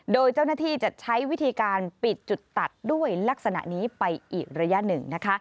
โดยเจ้าหน้าที่จะใช้วิธีการปิดจุดตัดด้วยลักษณะนี้ไปอีกระยะหนึ่งนะคะ